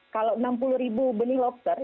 kalau enam puluh ribu benih lobster